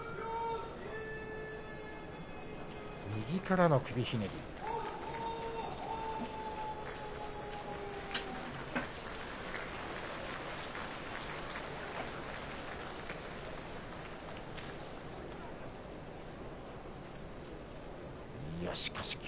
右からの首ひねりでした。